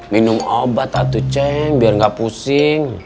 minum obat atuh ceng biar gak pusing